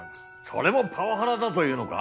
それもパワハラだというのか？